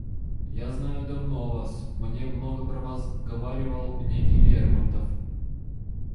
Я знаю давно вас, мне много про вас говаривал некий Лермонтов.